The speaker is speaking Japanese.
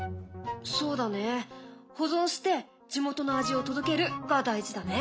そうだね保存して地元の味を届けるが大事だね。